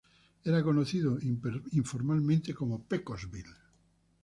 Era conocido informalmente como "Pecos Bill".